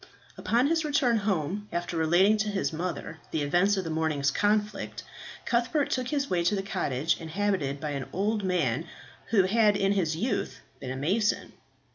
Upon his return home, after relating to his mother the events of the morning's conflict, Cuthbert took his way to the cottage inhabited by an old man who had in his youth been a mason.